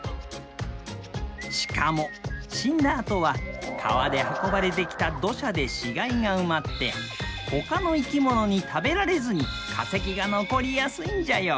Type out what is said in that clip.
しかも死んだあとは川で運ばれてきた土砂で死骸が埋まってほかの生き物に食べられずに化石が残りやすいんじゃよ。